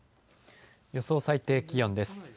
予想最低気温です。